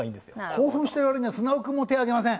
興奮してる割にはすなお君も手ぇ挙げません。